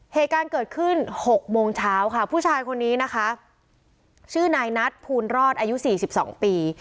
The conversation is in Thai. เหตุการณ์เกิดขึ้น๖โมงเช้าค่ะผู้ชายคนนี้นะคะชื่อนายนัทภูนรอดอายุ๔๒ปี